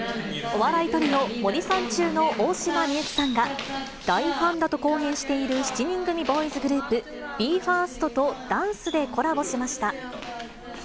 お笑いトリオ、森三中の大島美幸さんが、大ファンだと公言している７人組ボーイズグループ、ＢＥ：ＦＩＲＳＴとダンスでコラボしました。